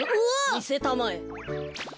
みせたまえ。